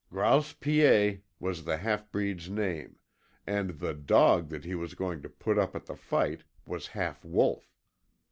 Grouse Piet was the halfbreed's name, and the "dog" that he was going to put up at the fight was half wolf.